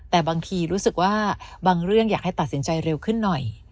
แต่บางทีรู้สึกว่าบางเรื่องอยากให้ตัดสินใจเร็วขึ้นหน่อย